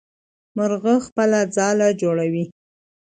مرغه خپله ځاله جوړوي.